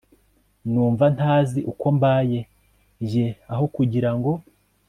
numva ntazi uko mbaye jye aho kugira ngo